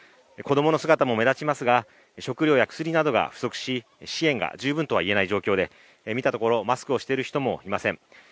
子供の姿も目立ちますが食料や薬などが不足し支援が十分とは言えない状況で見たところマスクをしている人もいません。